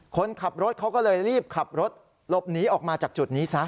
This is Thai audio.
คนขับรถเขาก็เลยรีบขับรถหลบหนีออกมาจากจุดนี้ซะ